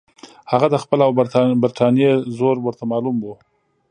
هغه د خپل او برټانیې زور ورته معلوم وو.